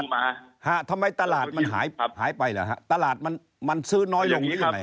ทำไมตลาดมันหายไปหรือครับตลาดมันซื้อน้อยลงไง